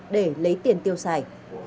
để lấy tiền tiêu xài